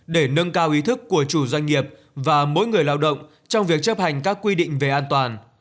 để nâng cao ý thức của chủ doanh nghiệp và mỗi người lao động trong việc chấp hành các quy định về an toàn